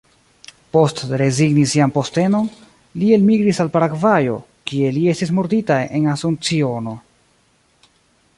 Post rezigni sian postenon, li elmigris al Paragvajo, kie li estis murdita en Asunciono.